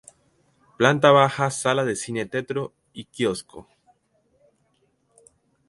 Planta baja sala de cine-tetro y kiosco.